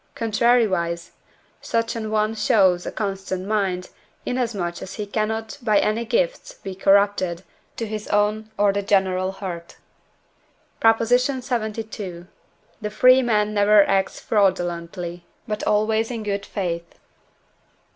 Contrariwise, such an one shows a constant mind, inasmuch as he cannot by any gifts be corrupted, to his own or the general hurt. PROP. LXXII. The free man never acts fraudulently, but always in good faith.